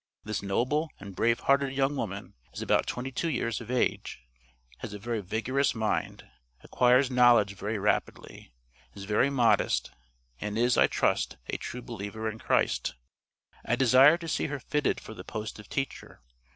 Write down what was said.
This noble and brave hearted young woman is about twenty two years of age; has a very vigorous mind; acquires knowledge very rapidly; is very modest; and is, I trust, a true believer in Christ. I desire to see her fitted for the post of teacher.